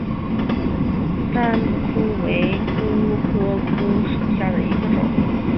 粘蓼为蓼科蓼属下的一个种。